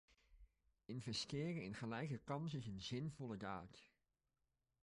Investeren in gelijke kansen is een zinvolle daad.